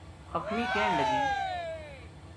پکھنی کہن لگی